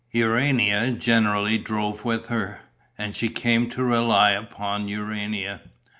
Urania generally drove with her; and she came to rely upon Urania.